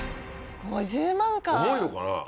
５０万かぁ。